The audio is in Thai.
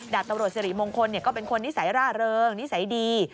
ตำรวจสิริมงคลก็เป็นคนนิสัยร่าเริงนิสัยดี